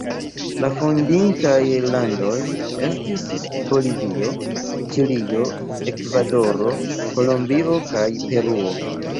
La fondintaj landoj estis Bolivio, Ĉilio, Ekvadoro, Kolombio kaj Peruo.